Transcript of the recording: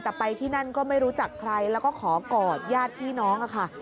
แต่ไปที่นั่นก็ไม่รู้จักใครแล้วก็ขอกอดญาติพี่น้องค่ะ